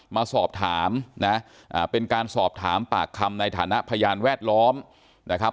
มาสอบถามนะเป็นการสอบถามปากคำในฐานะพยานแวดล้อมนะครับ